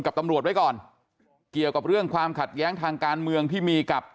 กับตำรวจไว้ก่อนเกี่ยวกับเรื่องความขัดแย้งทางการเมืองที่มีกับ